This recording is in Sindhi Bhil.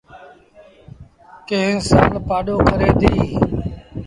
ڪݩهݩ سآل پآڏو ڪري ديٚ۔